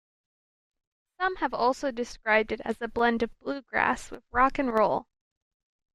Some have also described it as a blend of bluegrass with rock and roll.